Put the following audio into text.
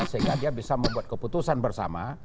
sehingga dia bisa membuat keputusan bersama